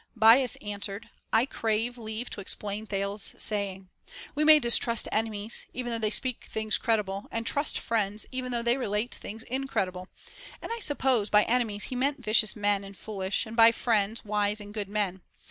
Bias answered, I crave leave to explain Thales's saying, We may distrust enemies, even though they speak things credible, and trust friends, even though they relate things incredible ; and I suppose by enemies he meant vicious men and foolish, and by friends, wise and good men.